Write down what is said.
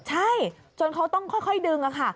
ใช่จนเขาต้องค่อยดึงค่ะ